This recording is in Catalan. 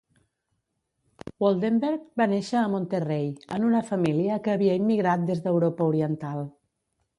Woldenberg va néixer a Monterrey en una família que havia immigrat des d'Europa Oriental.